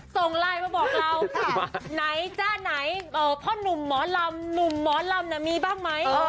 ส่งไลน์มาบอกเราค่ะไหนจ้าไหนพ่อหนุ่มหมอลำหนุ่มหมอลำมีบ้างไหม